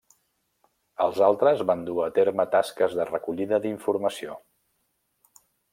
Els altres van dur a terme tasques de recollida d'informació.